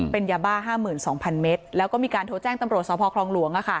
เป็นยาบ้า๕๒๐๐เมตรแล้วก็มีการโทรแจ้งตำรวจสพคลองหลวง